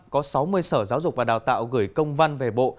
có sáu mươi sở giáo dục và đào tạo gửi công văn về bộ